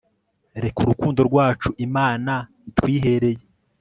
reka urukundo rwacu imana itwihereye